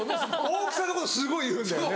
大きさのことすごい言うんだよね。